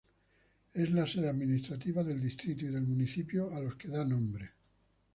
Es la sede administrativa del distrito y del municipio a los que da nombre.